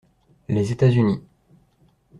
Les États-Unis.